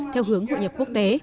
theo hướng hội nhập quốc tế